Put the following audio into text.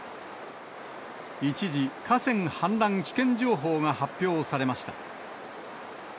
一時、河川氾濫危険情報が発表されました。